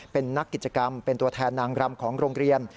เป็นนักกิจกรรมเป็นตัวแทนนางรำของโรงเรียน